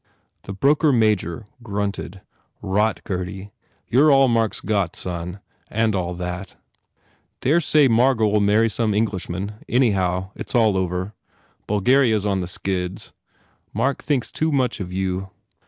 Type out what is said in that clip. The broker major grunted, "Rot, Gurdy. You re all Mark s got Son, and all that. Dare say Margot ll marry some Englishman. Any how, it s all over. Bulgaria s on the skids. Mark thinks too much of you."